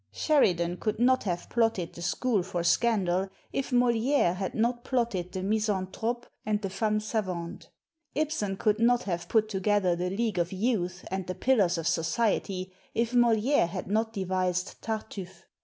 Sheridan could not have plotted the ' School for Scandal ' if Moliere had not plotted the 'Misanthrope* and the 'Femmes Savantes.' i could not have put together the 'League of Youth' and the 'Pillars of Society ' if Moliere had not devised 'TartufTe.'